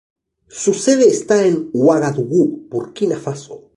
Su sede está en Uagadugú, Burkina Faso.